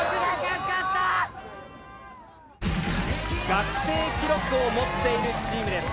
学生記録を持っているチームです。